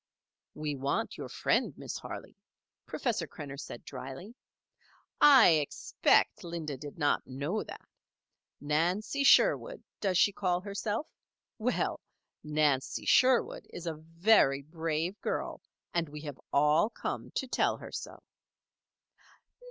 "We want your friend, Miss Harley," Professor Krenner said drily. "I expect Linda did not know that. Nancy Sherwood, does she call herself? Well, Nancy Sherwood is a very brave girl, and we have all come to tell her so."